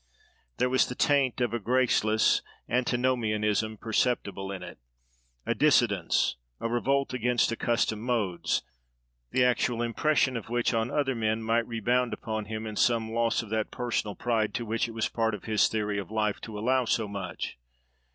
There was the taint of a graceless "antinomianism" perceptible in it, a dissidence, a revolt against accustomed modes, the actual impression of which on other men might rebound upon himself in some loss of that personal pride to which it was part of his theory of life to allow so much.